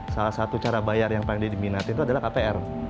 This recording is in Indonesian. salah satu cara bayar yang paling diminati itu adalah kpr